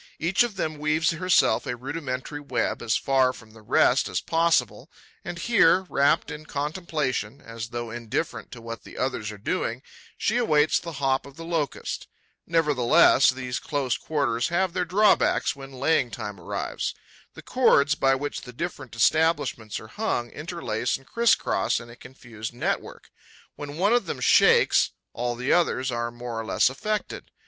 Each of them weaves herself a rudimentary web, as far from the rest as possible, and here, rapt in contemplation, as though indifferent to what the others are doing, she awaits the hop of the Locust. Nevertheless, these close quarters have their drawbacks when laying time arrives. The cords by which the different establishments are hung interlace and criss cross in a confused network. When one of them shakes, all the others are more or less affected.